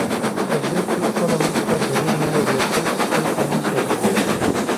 طبیعت هیڅکله موږ ته دروغ نه وایي او تل په خپل قانون چلیږي.